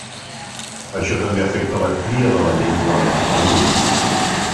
Això també afecta la tria de la llengua en la qual llegim.